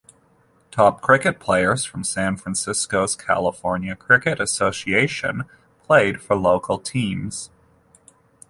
Top cricket players from San Francisco's California Cricket Association played for local teams.